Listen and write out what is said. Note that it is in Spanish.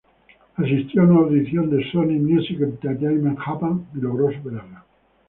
Asistió a una audición en Sony Music Entertainment Japan y logró superarla.